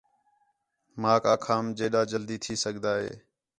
ماک آکھام جیݙا جلدی تھی سڳدا ہے